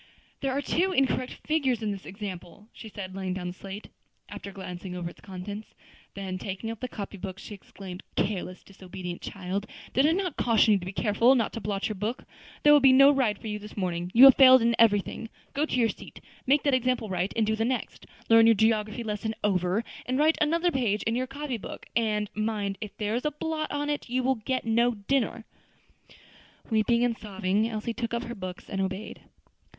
"There are two incorrect figures in this example," said she, laying down the slate, after glancing over its contents. Then taking up the copy book, she exclaimed, "Careless, disobedient child! did I not caution you to be careful not to blot your book! There will be no ride for you this morning. You have failed in everything. Go to your seat. Make that example right, and do the next; learn your geography lesson over, and write another page in your copy book; and, mind, if there is a blot on it, you will get no dinner." Weeping and sobbing, Elsie took up her books and obeyed.